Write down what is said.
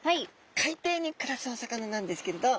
海底に暮らすお魚なんですけれど。